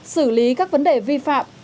xử lý các vấn đề vi phạm